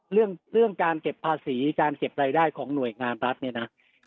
เรื่องเรื่องการเก็บภาษีการเก็บรายได้ของหน่วยงานรัฐเนี่ยนะ